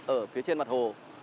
ở phía trên mặt hồ